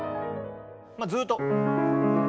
まあずっと。